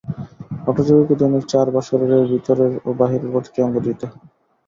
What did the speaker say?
হঠযোগীকে দৈনিক চার বার শরীরের ভিতরের ও বাহিরের প্রতিটি অঙ্গ ধুইতে হয়।